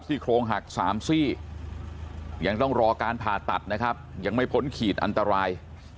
โครงหัก๓ซี่ยังต้องรอการผ่าตัดนะครับยังไม่พ้นขีดอันตราย